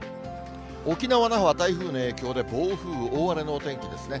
沖縄・那覇は台風の影響で影響で暴風、大荒れの天気ですね。